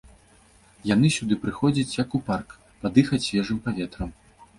Яны сюды прыходзяць як у парк, падыхаць свежым паветрам.